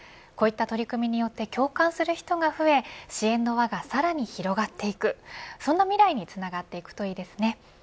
こういった取り組みによって共感する人が増え支援の輪がさらに広がっていくそんな未来につながっていくといいですね。